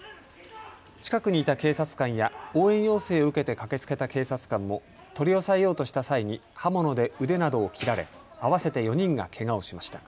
近くにいた警察官や応援要請を受けて駆けつけた警察官も取り押さえようとした際に刃物で腕などを切られ、合わせて４人がけがをしました。